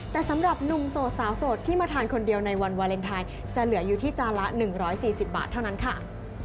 แต่สำหรับหนุ่มโสดสาวโสดที่มาทานคนเดียวในวันวาเลนไทยจะเหลืออยู่ที่จานละ๑๔๐บาทเท่านั้นค่ะ